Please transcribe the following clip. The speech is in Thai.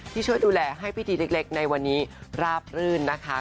ช่วยดูแลให้พิธีเล็กในวันนี้ราบรื่นนะคะ